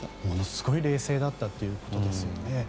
ものすごい冷静だったということですよね。